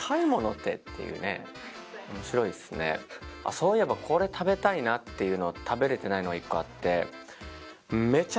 そういえばこれ食べたいなというの食べられてないのが１個あって。